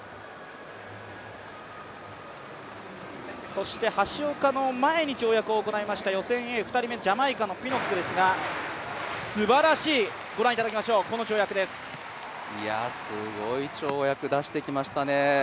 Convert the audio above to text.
そして橋岡の前に跳躍を行いました、予選Ａ、２人目のジャマイカのピノックですが、すばらしいすごい跳躍出してきました。